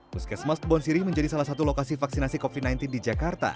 puskesmas kebon siri menjadi salah satu lokasi vaksinasi covid sembilan belas di jakarta